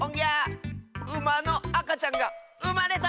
ウマのあかちゃんが「うま」れた！